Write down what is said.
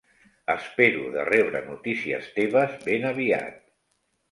Espero de rebre notícies teves ben aviat.